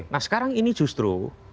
nah sekarang ini justru